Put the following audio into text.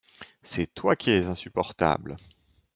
C’est toi qui es insupportable.